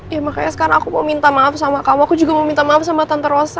ya makanya sekarang aku mau minta maaf sama kamu aku juga mau minta maaf sama tante rosa